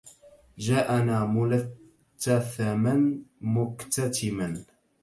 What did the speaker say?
جاءنا ملتثما مكتتما